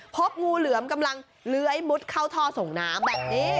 พบงูเหลือมกำลังเลื้อยมุดเข้าท่อส่งน้ำแบบนี้